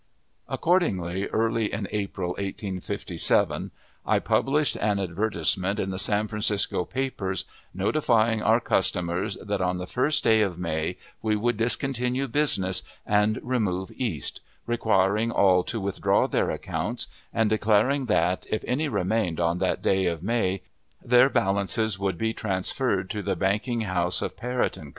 Accordingly, early in April, 1857, I published an advertisement in the San Francisco papers, notifying our customers that, on the 1st day of May, we would discontinue business and remove East, requiring all to withdraw their accounts, and declaring that, if any remained on that day of May, their balances would be transferred to the banking house of Parrott & Co.